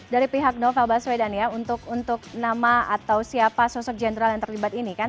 dari pihak novel baswedan ya untuk nama atau siapa sosok jenderal yang terlibat ini kan